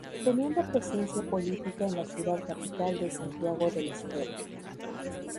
Teniendo presencia política en la ciudad capital de Santiago del Estero.